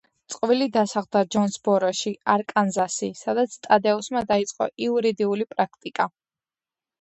წყვილი დასახლდა ჯონსბოროში, არკანზასი, სადაც ტადეუსმა დაიწყო იურიდიული პრაქტიკა.